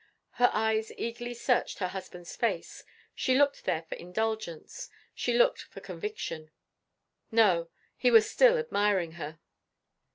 Her eyes eagerly searched her husband's face; she looked there for indulgence, she looked for conviction. No! he was still admiring her.